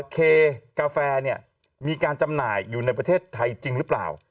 เคกาแฟมีการจำหน่ายอยู่ในประเทศไทยจริงหรือเปล่า